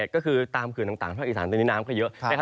ก็คือตามเขื่อนต่างภาคอีสานตอนนี้น้ำก็เยอะ